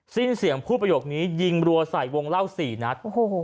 สิ้นเสียงพูดประโยคนี้ยิงรัวใส่วงเล่า๔นัด